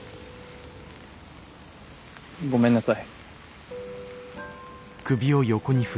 ごめんなさい。